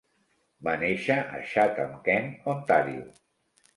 Va néixer a Chatham-Kent (Ontàrio).